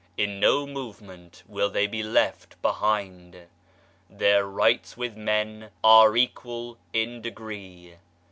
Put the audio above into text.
In no movement will they be left behind. Their rights with men are equal in degree.